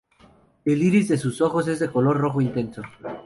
El iris de sus ojos es de color rojo intenso.